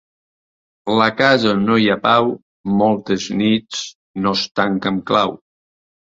La casa on no hi ha pau moltes nits no es tanca amb clau.